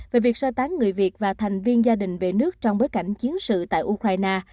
về việc sơ tán người việt và thành viên gia đình về nước trong bối cảnh chiến sự tại ukraine